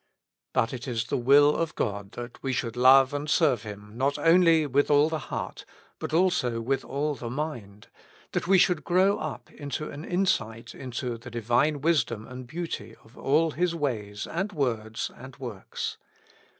But it is the will of God that we should love and serve Him, not only with all the heart, but also with all the mind ; that we should grow up into an insight into the Divine wisdom and beauty of all His ways and words and works.